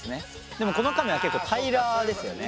でもこのカメは結構平らですよね。